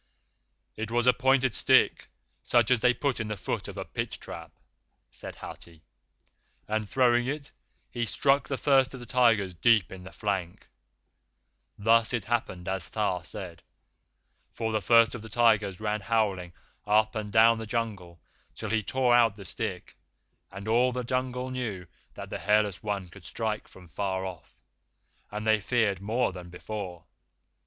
"It was a pointed stick, such as they put in the foot of a pit trap," said Hathi, "and throwing it, he struck the First of the Tigers deep in the flank. Thus it happened as Tha said, for the First of the Tigers ran howling up and down the Jungle till he tore out the stick, and all the Jungle knew that the Hairless One could strike from far off, and they feared more than before.